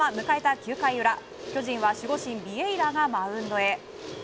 ９回裏、巨人は守護神・ビエイラがマウンドへ。